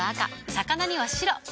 魚には白。